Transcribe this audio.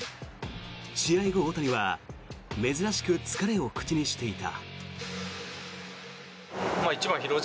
試合後、大谷は珍しく疲れを口にしていた。